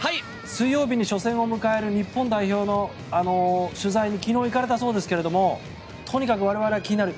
水曜日に初戦を迎える日本代表の取材に昨日行かれたそうですけどもとにかく我々が気になる